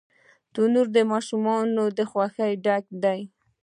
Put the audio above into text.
تنور د ماشومانو له خوښۍ ډک دی